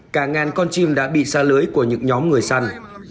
cả ngàn con chim đã bị xa lưới của những nhóm người săn